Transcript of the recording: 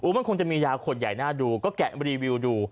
มันคงจะมียาขวดใหญ่น่าดูก็แกะรีวิวดู